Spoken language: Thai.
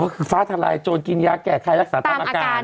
ก็คือฟ้าทลายโจรกินยาแก่ใครรักษาตามอาการ